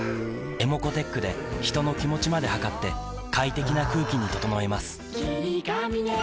ｅｍｏｃｏーｔｅｃｈで人の気持ちまで測って快適な空気に整えます